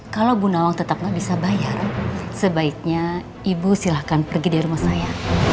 kalau bu nawang tetap nggak bisa bayar sebaiknya ibu silahkan pergi dari rumah saya